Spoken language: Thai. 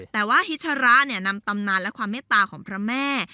แต่ว่าฮิชระนำตำนานและความเมตตาของพระแม่